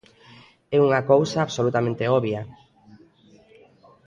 É unha cousa absolutamente obvia.